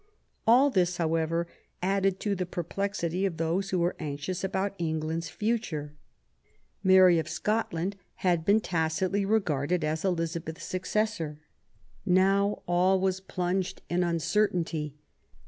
All this, however, added to the perplexity of those who were anxious about England's future. Mary of Scotland had been tacitly regarded as Elizabeth's liOB^l^ ^j loo QUEEN ELIZABETH, successor. Now all was plunged in uncertainty.